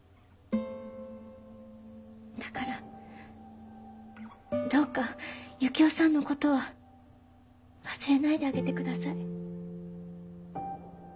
だからどうか雪世さんの事は忘れないであげてください。